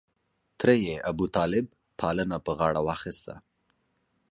تره یې ابوطالب پالنه په غاړه واخسته.